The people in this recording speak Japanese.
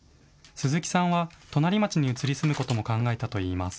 鈴木さんは隣町に移り住むことも考えたといいます。